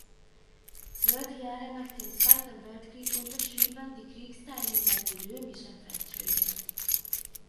Zwölf Jahre nach dem Zweiten Weltkrieg unterschrieben die Kriegsteilnehmer die Römischen Verträge.